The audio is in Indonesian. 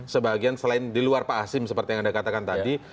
sebagian selain di luar pak asim seperti yang anda katakan tadi